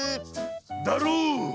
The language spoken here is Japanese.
だろう？